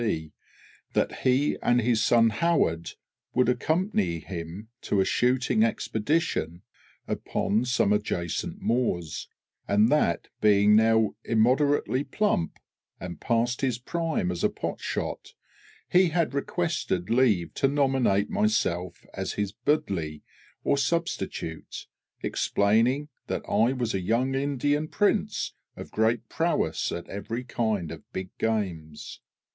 C., that he and his son HOWARD would accompany him to a shooting expedition upon some adjacent moors, and that, being now immoderately plump, and past his prime as a potshot, he had requested leave to nominate myself as his budli or substitute, explaining that I was a young Indian prince of great prowess at every kind of big games.